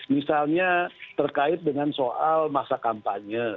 misalnya terkait dengan soal masa kampanye